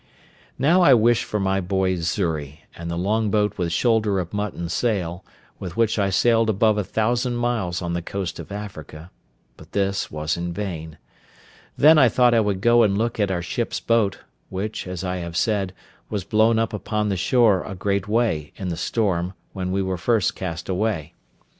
Now I wished for my boy Xury, and the long boat with shoulder of mutton sail, with which I sailed above a thousand miles on the coast of Africa; but this was in vain: then I thought I would go and look at our ship's boat, which, as I have said, was blown up upon the shore a great way, in the storm, when we were first cast away.